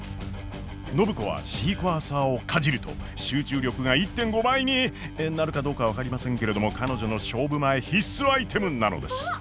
暢子はシークワーサーをかじると集中力が１．５倍になるかどうかは分かりませんけれども彼女の勝負前必須アイテムなのです。